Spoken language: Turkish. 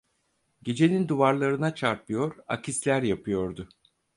Gecenin duvarlarına çarpıyor, akisler yapıyordu.